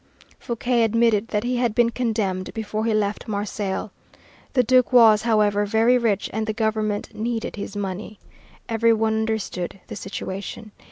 Fouquier admitted that he had been condemned before he left Marseilles. The Duke was, however, very rich and the government needed his money. Every one understood the situation.